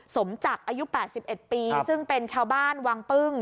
สมจักรอายุ๘๑ปีซึ่งเป็นชาวบ้านวังปึ้ง